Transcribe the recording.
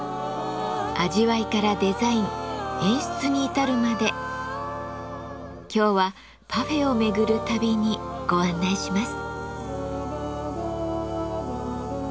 味わいからデザイン演出に至るまで今日はパフェを巡る旅にご案内します。